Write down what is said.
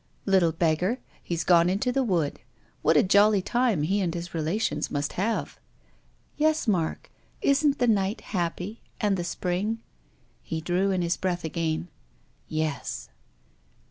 "Little beggar! He's gone into the wood. What a jolly time he and his relations must have." " Yes, Mark. Isn't the night happy, and the spring? " He drew in his breath again. "Yes."